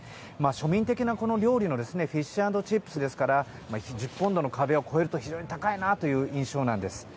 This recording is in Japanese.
庶民的な料理のフィッシュアンドチップスなので１０ポンドの壁を超えると非常に高いという印象なんです。